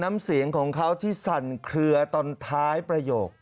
น้ำเสียงของเขาที่สั่นเคลือตอนท้ายประโยค